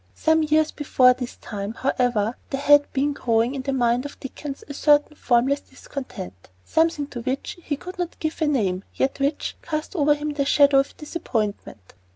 Some years before this time, however, there had been growing in the mind of Dickens a certain formless discontent something to which he could not give a name, yet which, cast over him the shadow of disappointment.